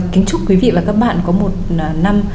kính chúc quý vị và các bạn có một năm